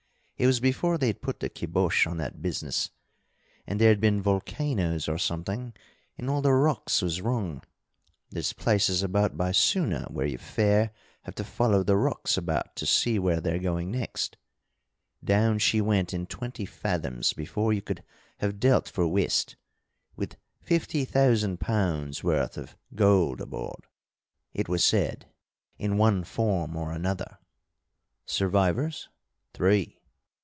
It was before they'd put the kybosh on that business. And there'd been volcanoes or something and all the rocks was wrong. There's places about by Soona where you fair have to follow the rocks about to see where they're going next. Down she went in twenty fathoms before you could have dealt for whist, with fifty thousand pounds worth of gold aboard, it was said, in one form or another." "Survivors?" "Three."